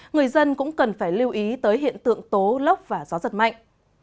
người dân cũng cần phải lưu ý tới hiện tượng tố lốc và gió giật mạnh